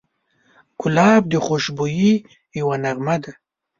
ګلاب د خوشبویۍ یوه نغمه ده.